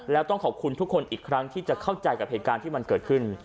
แล้วต้องขอบคุณทุกคนอีกครั้งที่จะเข้าใจกับเหตุการณ์ที่มันเกิดขึ้น